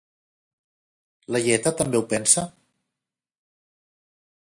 Laieta també ho pensa?